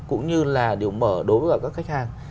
cũng như là điều mở đối với các khách hàng